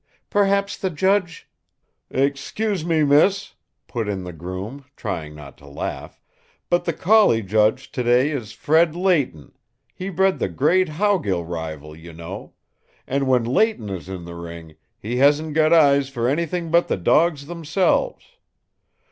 Perhaps the judge " "Excuse me, Miss," put in the groom, trying not to laugh, "but the collie judge to day is Fred Leightonhe bred the great Howgill Rival, you know and when Leighton is in the ring, he hasn't got eyes for anything but the dogs themselves.